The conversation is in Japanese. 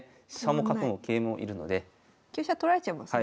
香車取られちゃいますね。